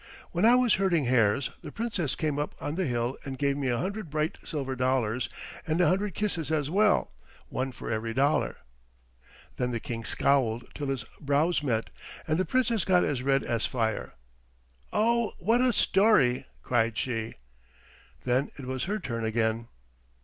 When I was herding hares the Princess came up on the hill and gave me a hundred bright silver dollars and a hundred kisses as well, one for every dollar." Then the King scowled till his brows met, and the Princess grew as red as fire. "Oh, what a story!" cried she. Then it was her turn again.